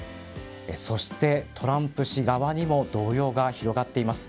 そして、トランプ氏側にも動揺が広がっています。